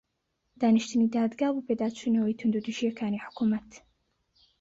دانیشتنی دادگا بۆ پێداچوونەوەی توندوتیژییەکانی حکوومەت